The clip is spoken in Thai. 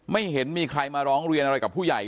ไม่เห็นมีใครมาร้องเรียนอะไรกับผู้ใหญ่